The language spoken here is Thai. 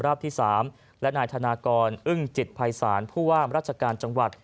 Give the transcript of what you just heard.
ราบที่สามและนายธานากร